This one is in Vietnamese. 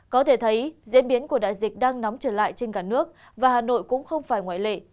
có thể thấy diễn biến của đại dịch đang nóng trở lại trên cả nước và hà nội cũng không phải ngoại lệ